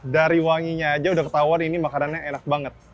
dari wanginya aja udah ketauan ini makannya enak banget